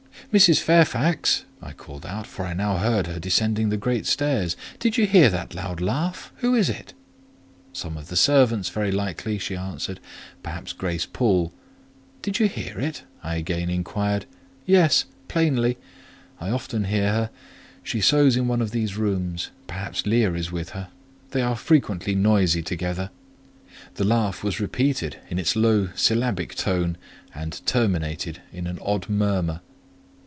"Mrs. Fairfax!" I called out: for I now heard her descending the great stairs. "Did you hear that loud laugh? Who is it?" "Some of the servants, very likely," she answered: "perhaps Grace Poole." "Did you hear it?" I again inquired. "Yes, plainly: I often hear her: she sews in one of these rooms. Sometimes Leah is with her; they are frequently noisy together." The laugh was repeated in its low, syllabic tone, and terminated in an odd murmur.